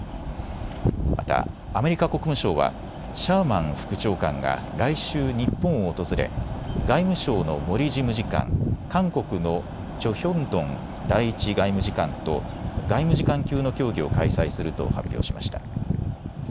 またアメリカ国務省はシャーマン副長官が来週、日本を訪れ外務省の森事務次官、韓国のチョ・ヒョンドン第１外務次官と外務次官級の協議を開催すると発表しました。